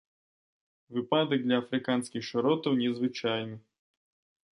Выпадак для афрыканскіх шыротаў незвычайны.